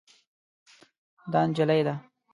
دا نجله ده.